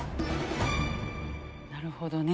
なるほどね。